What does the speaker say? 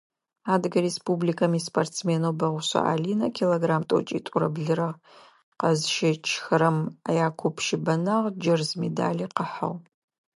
Адыгэ Республикэм испортсменэу Бэгъушъэ Алинэ килограмм тӀокӀитӀурэ блырэ къэзыщэчыхэрэм якуп щыбэнагъ, джэрз медали къыхьыгъ.